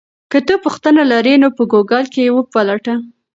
که ته پوښتنه لرې نو په ګوګل کې یې وپلټه.